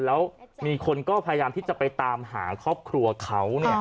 แล้วมีคนก็พยายามที่จะไปตามหาครอบครัวเขา